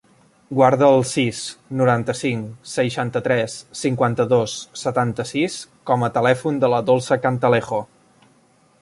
Guarda el sis, noranta-cinc, seixanta-tres, cinquanta-dos, setanta-sis com a telèfon de la Dolça Cantalejo.